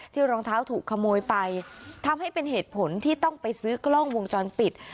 รองเท้าถูกขโมยไปทำให้เป็นเหตุผลที่ต้องไปซื้อกล้องวงจรปิด